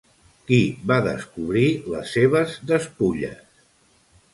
Qui va descobrir les seves despulles?